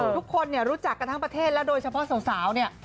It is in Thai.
ทุกคนเนี่ยรู้จักกันทั้งประเทศแล้วโดยเฉพาะสาวเนี่ย